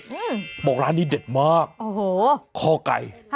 อืมบอกร้านนี้เด็ดมากโอ้โหคอไก่